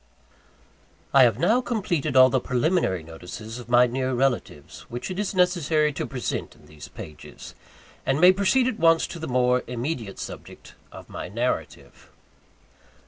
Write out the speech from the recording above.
I have now completed all the preliminary notices of my near relatives, which it is necessary to present in these pages; and may proceed at once to the more immediate subject of my narrative.